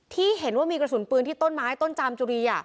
ที่เห็นว่ามีกระสุนปืนที่ต้นไม้ต้นจามจุรี